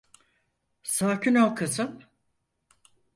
Sakin ol kızım.